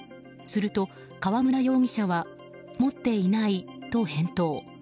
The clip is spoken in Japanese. すると河村容疑者は持っていないと返答。